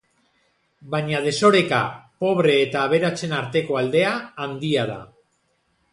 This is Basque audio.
Baina desoreka, pobre eta aberatsen arteko aldea, handia da.